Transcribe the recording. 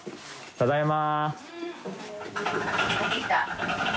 ただいま。